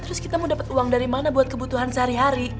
terus kita mau dapat uang dari mana buat kebutuhan sehari hari